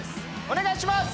お願いします！